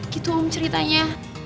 gitu om ceritanya